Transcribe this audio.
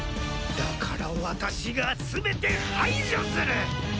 だから私が全て排除する！